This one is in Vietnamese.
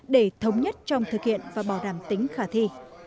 để thống nhất trong thực hiện và bảo đảm tính khả thi